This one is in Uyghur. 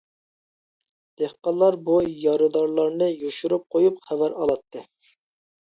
دېھقانلار بۇ يارىدارلارنى يوشۇرۇپ قويۇپ خەۋەر ئالاتتى.